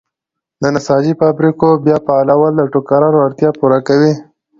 د نساجۍ فابریکو بیا فعالول د ټوکرانو اړتیا پوره کوي.